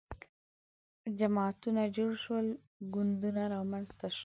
جماعتونه جوړ شول ګوندونه رامنځته شول